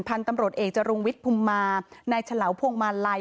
พันธุ์ตำรวจเอกจรุงวิทย์ภูมิมานายฉลาวพวงมาลัย